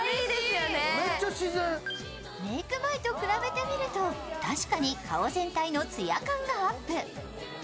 メイク前と比べてみると確かに顔全体のつや感がアップ。